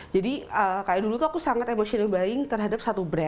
jadi kayak dulu aku sangat emotional buying terhadap satu brand